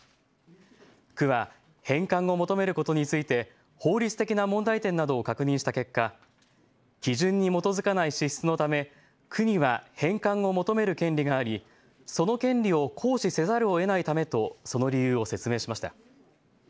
区は返還を求めることについて法律的な問題点などを確認した結果、基準に基づかない支出のため、区には返還を求める権利があり、その権利を行使せざるをえないためとその理由を説明しました。